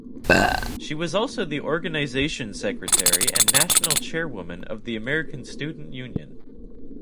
She was also the organization secretary and national chairwoman of the American Student Union.